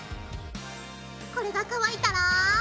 これが乾いたら。